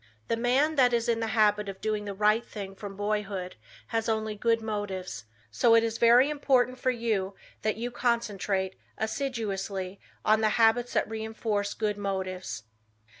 The man that is in the habit of doing the right thing from boyhood, has only good motives, so it is very important for you that you concentrate assiduously on the habits that reinforce good motives.